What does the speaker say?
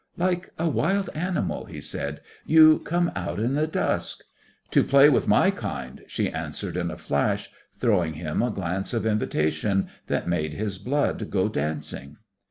"Like a wild animal," he said, "you come out in the dusk " "To play with my kind," she answered in a flash, throwing him a glance of invitation that made his blood go dancing.